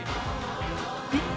えっ？